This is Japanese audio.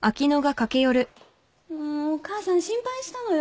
もうお母さん心配したのよ。